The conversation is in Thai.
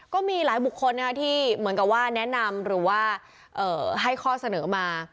ก็มีหลายบุคคลที่เหมือนกับว่าแนะนำหรือว่าให้ข้อเสนอมา